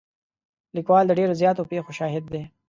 لیکوال د ډېرو زیاتو پېښو شاهد دی.